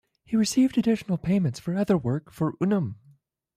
He received additional payments for other work for Unum.